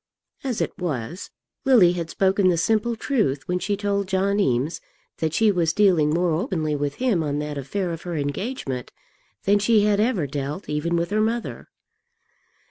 As it was, Lily had spoken the simple truth when she told John Eames that she was dealing more openly with him on that affair of her engagement than she had ever dealt, even with her mother.